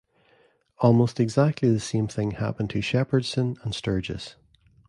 Almost exactly the same thing happened to Shepherdson and Sturgis.